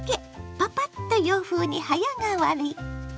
パパッと洋風に早変わり。